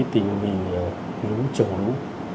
tình hình lũ trồng lũ